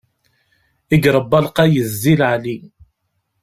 I iṛebba lqayed di leɛli.